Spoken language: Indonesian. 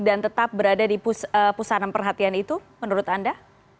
dan tetap berada di pusaran perhatian itu menurut anda